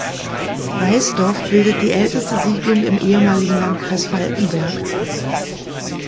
Weißdorf bildet die älteste Siedlung im ehemaligen Landkreis Falkenberg.